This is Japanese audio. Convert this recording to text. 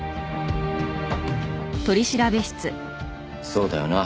そうだよな？